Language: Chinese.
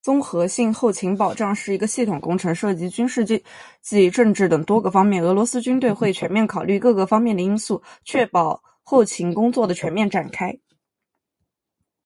综合性：后勤保障是一个系统工程，涉及军事、经济、政治等多个方面。俄罗斯军队会全面考虑各个方面的因素，确保后勤工作的全面展开。